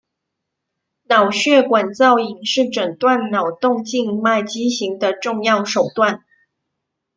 脑血管造影是诊断脑动静脉畸形的重要手段。